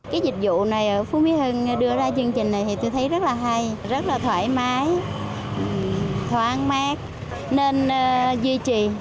cái dịch vụ này ở phú mỹ hưng đưa ra chương trình này thì tôi thấy rất là hay rất là thoải mái thoáng mát nên duy trì